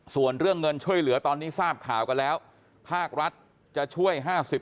ส่วนเรื่องเงินช่วยเหลือตอนนี้ทราบข่าวกันแล้วภาครัฐจะช่วย๕๐